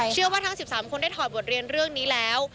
ทั้ง๑๓คนได้ถอดบทเรียนเรื่องนี้แล้ว